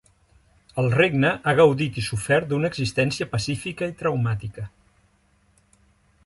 El regne ha gaudit i sofert d’una existència pacífica i traumàtica.